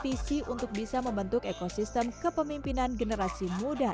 pemimpin id memiliki visi untuk bisa membentuk ekosistem kepemimpinan generasi muda